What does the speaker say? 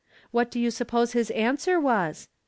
What do you suppose his answer was ?